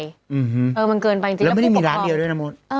แล้วผู้ปกครองแล้วไม่ได้มีร้านเดียวด้วยนะมนตร์